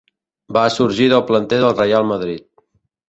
Va sorgir del planter del Reial Madrid.